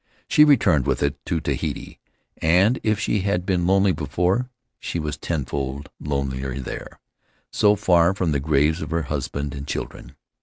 She returned with it to Tahiti, and if she had been lonely before, she was tenfold lonelier there> so far from the graves of her husband and children.